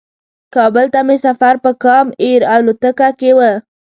کابل ته مې سفر په کام ایر الوتکه کې و.